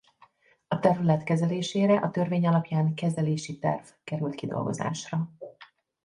A terület kezelésére a törvény alapján Kezelési terv került kidolgozásra.